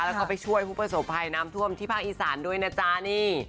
แล้วก็ไปช่วยผู้ประสบภัยน้ำท่วมที่ภาคอีสานด้วยนะจ๊ะนี่